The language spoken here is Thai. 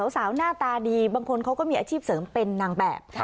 สาวหน้าตาดีบางคนเขาก็มีอาชีพเสริมเป็นนางแบบ